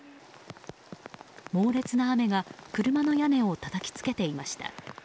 猛烈な雨が車の屋根をたたきつけていました。